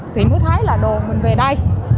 thì mới thấy là đồn mình về đây